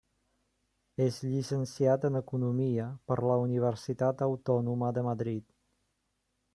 És llicenciat en economia per la Universitat Autònoma de Madrid.